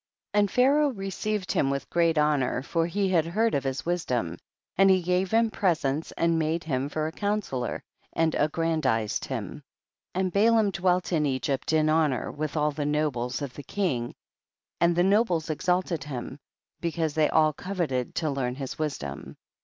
9. And Pharaoh received him with great honor, for he had heard of his wisdom, and he gave him presents and made him for a counsellor, and affffrandized him. 10. And Balaam dwelt m Egypt, in honor with all the nobles of the king, and the nobles exalted him, be cause they all coveted to learn his wisdom.